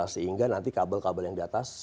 sehingga nanti kabel kabel yang di atas